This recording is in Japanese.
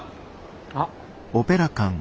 あっ。